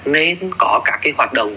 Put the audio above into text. nên có các cái hoạt động